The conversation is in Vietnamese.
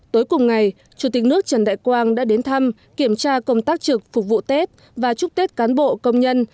tối cùng ngày chủ tịch nước trần đại quang đã đến thăm kiểm tra công tác trực phục vụ tết và chúc tết cán bộ công nhân